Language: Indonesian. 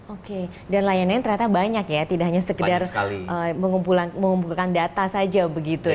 oke dan layanan ternyata banyak ya tidak hanya sekedar mengumpulkan data saja begitu ya